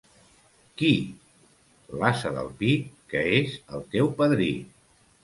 Qui? —L'ase del Pi, que és el teu padrí.